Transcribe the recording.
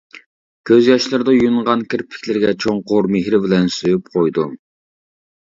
كۆز ياشلىرىدا يۇيۇنغان كىرپىكلىرىگە چوڭقۇر مېھىر بىلەن سۆيۈپ قويدۇم.